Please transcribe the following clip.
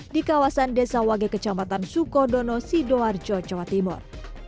di kawasan desa wage kecamatan sukodono sidoarjo jawa timur